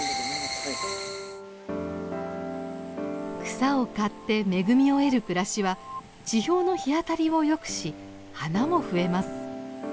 草を刈って恵みを得る暮らしは地表の日当たりをよくし花も増えます。